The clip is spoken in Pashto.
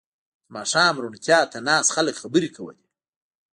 • د ماښام روڼتیا ته ناست خلک خبرې کولې.